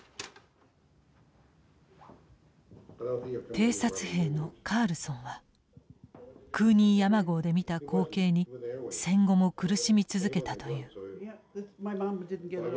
偵察兵のカールソンはクーニー山壕で見た光景に戦後も苦しみ続けたという。